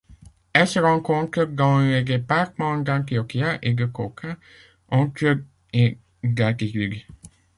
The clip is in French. Elle se rencontre dans les départements d'Antioquia et de Cauca, entre et d'altitude.